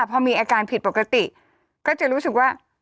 พอมีอาการผิดปกติก็จะรู้สึกว่า